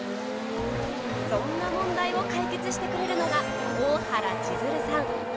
そんな問題を解決してくれるのが大原千鶴さん。